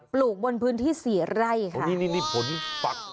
ปลูกบนพื้นที่เสียไร่ค่ะ